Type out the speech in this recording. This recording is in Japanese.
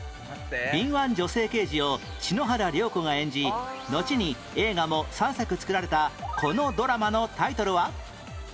敏腕女性刑事を篠原涼子が演じのちに映画も３作作られたこのドラマのタイトルは？